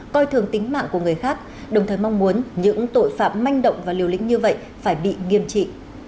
coi thường tính mạng của người khác đồng thời mong muốn những tội phạm manh động và liều lĩnh như vậy phải bị nghiêm trị